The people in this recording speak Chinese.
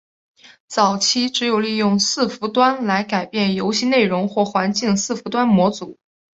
早期只有利用伺服端来改变游戏内容或环境的伺服端模组。